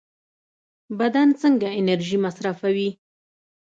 بدن څنګه انرژي مصرفوي؟